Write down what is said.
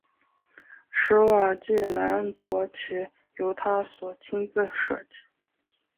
史瓦济兰国旗由他所亲自设计。